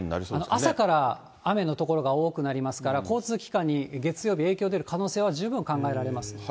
朝から雨の所が多くなりますから、交通機関に月曜日、影響出る可能性は十分考えられます。